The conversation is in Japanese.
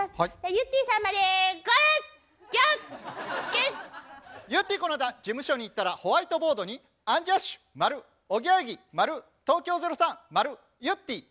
ゆってぃこないだ事務所に行ったらホワイトボードに「アンジャッシュ○おぎやはぎ○東京０３○ゆってぃ×」。